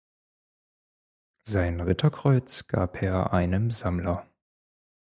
Sein Ritterkreuz gab er einem Sammler.